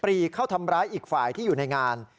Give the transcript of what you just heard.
รีเข้าทำร้ายอีกฝ่ายที่อยู่ในงาน